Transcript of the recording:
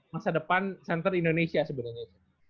masa depan center indonesia sebenernya